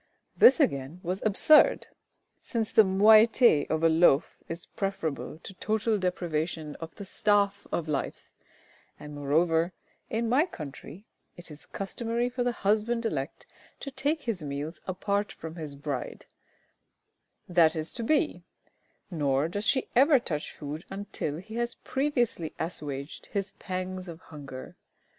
This again was absurd, since the moiety of a loaf is preferable to total deprivation of the staff of life, and moreover, in my country, it is customary for the husband elect to take his meals apart from his bride that is to be; nor does she ever touch food until he has previously assuaged his pangs of hunger.